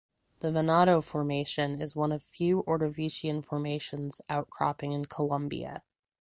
The Venado Formation is one of few Ordovician formations outcropping in Colombia.